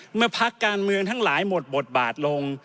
เมื่อพักการเมืองทั้งหลายหมดบทบัตรลง